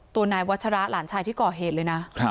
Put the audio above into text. ตัวนายวัชระหลานชายที่ก่อเหตุเลยนะ